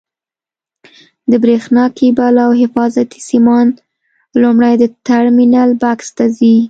د برېښنا کېبل او حفاظتي سیمان لومړی د ټرمینل بکس ته ځي.